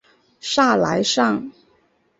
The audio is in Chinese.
萨莱尚。